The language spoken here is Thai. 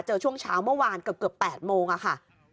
ช่วงเช้าเมื่อวานเกือบ๘โมงค่ะ